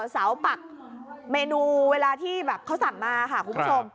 เสาปักเมนูเวลาที่แบบเขาสั่งมาค่ะคุณผู้ชม